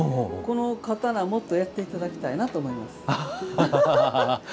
刀、もっとやっていただきたいなと思います。